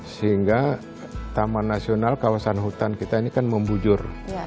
sehingga taman nasional kawasan hutan kita ini kan membujur